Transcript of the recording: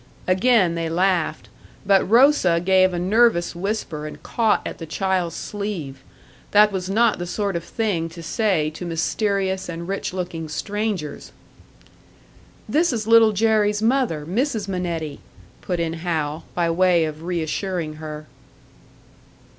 Again they laughed; but Rosa gave a nervous whisper and caught at the child's sleeve. That was not the sort of thing to say to mysterious and rich looking strangers! "This is Little Jerry's mother, Mrs. Minetti," put in Hal, by way of reassuring her.